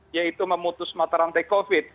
yaitu memutus mata rantai covid